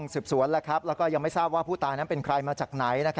สืบสวนแล้วก็ยังไม่ทราบว่าผู้ตายนั้นเป็นใครมาจากไหน